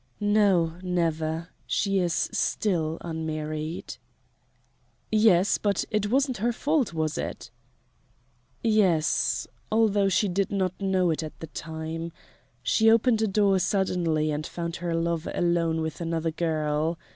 "No never. She is still unmarried." "Yes but it wasn't her fault, was it?" "Yes although she did not know it at the time. She opened a door suddenly and found her lover alone with another girl.